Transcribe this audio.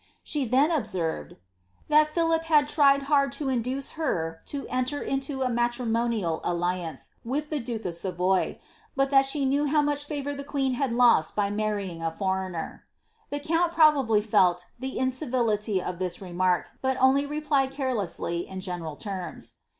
She then observed. ^ that Philip had tried hard to induce her to enter into a matrimonial ' Archives of Siman^a. * A general term lor income. SI.IIABBTH. 101 with the duke of Savoy, bat that she knew how much favour the queen had lost by marrying a foreigner." The count probably felt the incivility of this remark, but only replied carelessly, in general tenns.'